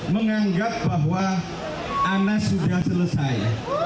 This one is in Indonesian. menganggap bahwa anas sudah selesai